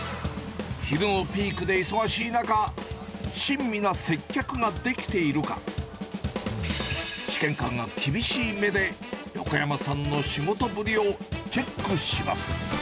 昼のピークで忙しい中、親身な接客ができているか、試験官が厳しい目で、横山さんの仕事ぶりをチェックします。